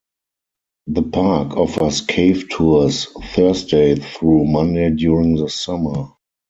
The park offers cave tours Thursday through Monday during the summer.